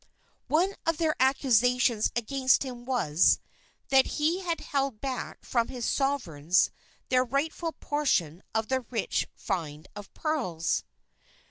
One of their accusations against him was, that he had held back from his Sovereigns their rightful portion of the rich find of pearls.